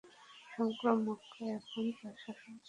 সমগ্র মক্কায় এখন তার শাসন চলছে।